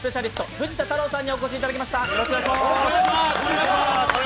藤田太郎さんにお越しいただきました。